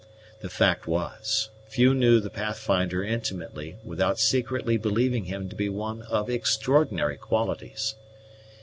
The fact was; few knew the Pathfinder intimately without secretly believing him to be one of extraordinary qualities.